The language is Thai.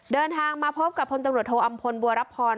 เดินทางมาพบกับพลตำรวจโทอำพลบัวรับพร